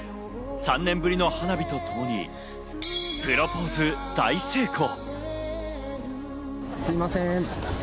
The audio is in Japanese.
３年ぶりの花火とともにプロポーズ大成功。